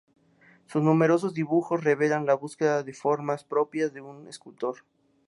Sus numerosos dibujos revelan la búsqueda de formas propias de un escultor.